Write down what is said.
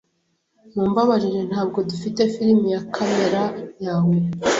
Mumbabarire, ntabwo dufite firime ya kamera yawe.